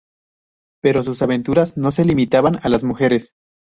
Pero sus aventuras no se limitaban a las mujeres.